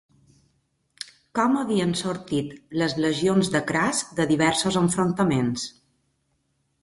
Com havien sortit les legions de Cras de diversos enfrontaments?